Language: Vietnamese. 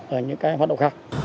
ở những cái hoạt động khác